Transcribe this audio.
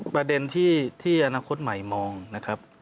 ประเด็นที่อนาคตใหม่มองนะครับ